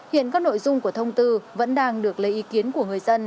hiện các nội dung của thông tư vẫn đang được lấy ý kiến của người dân